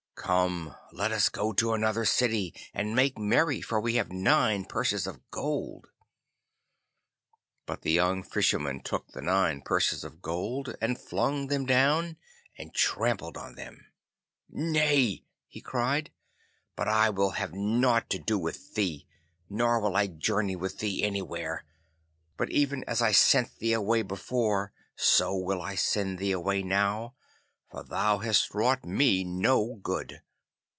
Come, let us go to another city, and make merry, for we have nine purses of gold.' But the young Fisherman took the nine purses of gold, and flung them down, and trampled on them. 'Nay,' he cried, 'but I will have nought to do with thee, nor will I journey with thee anywhere, but even as I sent thee away before, so will I send thee away now, for thou hast wrought me no good.